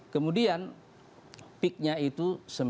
kemudian peaknya itu seribu sembilan ratus dua puluh delapan